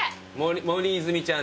森泉ちゃんって。